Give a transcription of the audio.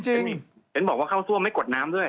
ฉันบอกว่าเข้าซั่วไม่กดน้ำด้วย